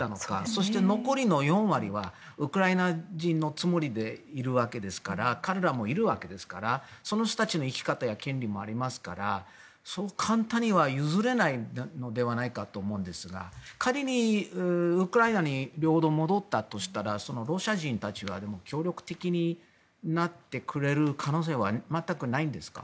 そして、残りの４割はウクライナ人のつもりでいるわけですから彼らもいるわけですからその人たちの生き方、権利もありますから、そう簡単には譲れないのではないかと思うんですが仮に、ウクライナに領土が戻ったとしたらロシア人たちは協力的になってくれる可能性は全くないんですか？